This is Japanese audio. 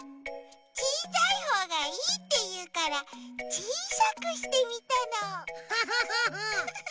ちいさいほうがいいっていうからちいさくしてみたの。